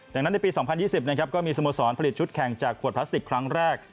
ดังนั้นในปี๒๐๒๐นะครับก็มีสโมสรผลิตชุดแข่งจากขวดพลาสติกครั้งแรก